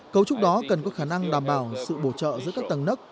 cấu trúc đó cần có khả năng đảm bảo sự bổ trợ giữa các tầng nấc